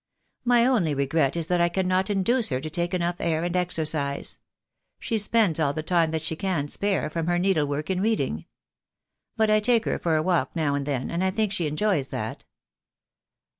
My only regret is that I cannot induce her to take enough air and exercise. She spends all the time that she can spare from her needlework in reading. But I take her for a walk now and then, and I think she en joys that.